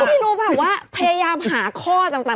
ไม่รู้แบบว่าพยายามหาข้อต่าง